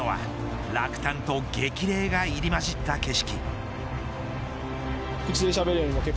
目にしたのは、落胆と激励が入り交じった景色。